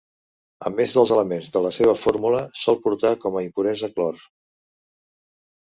A més dels elements de la seva fórmula, sol portar com a impuresa clor.